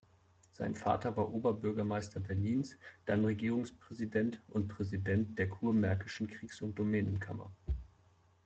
Sein Vater war Oberbürgermeister Berlins, dann Regierungspräsident und Präsident der kurmärkischen Kriegs- und Domänenkammer.